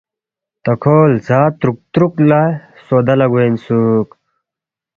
تا کھو لزا ترُوک ترُوک لہ سودا لہ گوے اِنسُوک